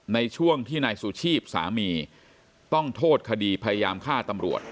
ในช่วงที่นายสุชีพสามีต้องโทษคดีพยายามฆ่าตำรวจ